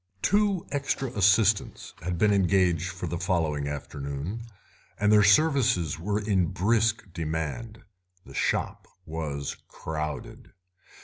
Two extra assistants had been engaged for the following afternoon, and their services were in brisk demand; the shop was crowded.